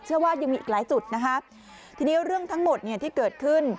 เชื่อว่ายังมีอีกหลายจุดนะคะทีนี้เรื่องทั้งหมดเนี่ยที่เกิดขึ้น